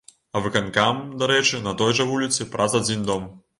А выканкам, дарэчы, на той жа вуліцы, праз адзін дом.